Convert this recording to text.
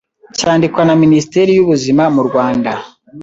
cyandikwa na Minisiteri y'Ubuzima mu Rwanda